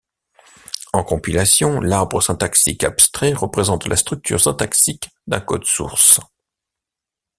En compilation, l'arbre syntaxique abstrait représente la structure syntaxique d'un code source.